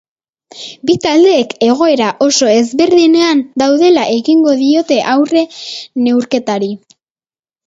Bi taldeek egoera oso ezberdinean daudela egingo diote aurre neurketari.